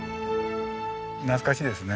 懐かしいですね。